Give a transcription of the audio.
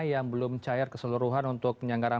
yang belum cair keseluruhan untuk penyanggaran